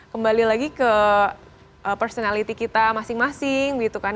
kembali lagi ke personality kita masing masing gitu kan